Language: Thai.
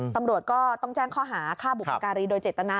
ตำรวจก็ต้องแจ้งข้อหาฆ่าบุพการีโดยเจตนา